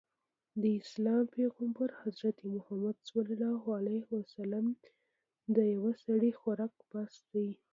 د اسلام پيغمبر ص وفرمايل د يوه سړي خوراک بس دی.